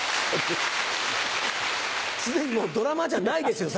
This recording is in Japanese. すでにドラマじゃないですよ